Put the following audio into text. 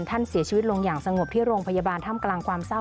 ท่านเสียชีวิตลงอย่างสงบที่โรงพยาบาลท่ามกลางความเศร้า